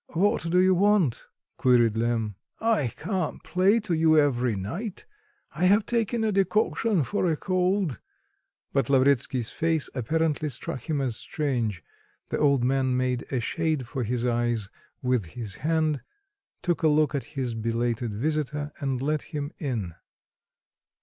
"What do you want?" queried Lemm. "I can't play to you every night, I have taken a decoction for a cold." But Lavretsky's face, apparently, struck him as strange; the old man made a shade for his eyes with his hand, took a look at his elated visitor, and let him in.